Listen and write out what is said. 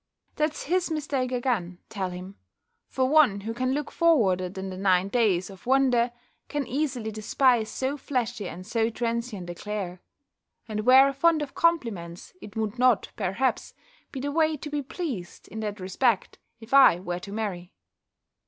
That's his mistake again, tell him: for one who can look forwarder than the nine days of wonder, can easily despise so flashy and so transient a glare. And were I fond of compliments, it would not, perhaps, be the way to be pleased, in that respect, if I were to marry.